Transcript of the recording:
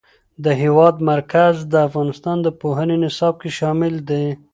د هېواد مرکز د افغانستان د پوهنې نصاب کې شامل دي.